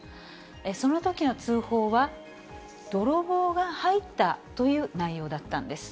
そのときの通報は、泥棒が入ったという内容だったんです。